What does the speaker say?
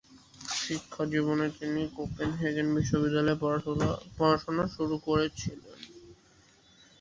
শিক্ষাজীবনে তিনি কোপেনহেগেন বিশ্ববিদ্যালয়ে পড়াশোনা শুরু করেছিলেন।